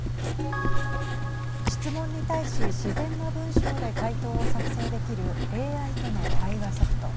質問に対し自然な文章で回答を作成できるＡＩとの対話ソフト。